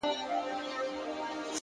صادق زړه پټ بارونه نه وړي!.